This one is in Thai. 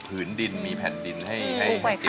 อันดับนี้เป็นแบบนี้